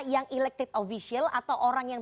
yang elected official atau orang yang